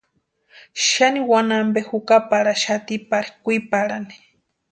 Xani wani ampe jukaparhaxati pari kwiparhani.